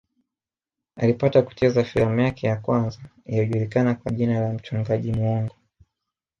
Alipata kucheza filamu yake ya kwanza iliyojulikana kwa jina la mchungaji muongo